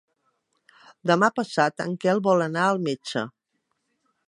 Demà passat en Quel vol anar al metge.